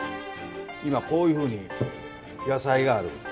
今こういうふうに野菜がある。